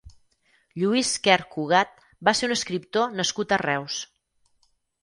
Lluís Quer Cugat va ser un escriptor nascut a Reus.